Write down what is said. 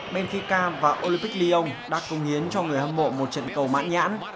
benfica và olympic lyon đã công hiến cho người hâm mộ một trận cầu mãn nhãn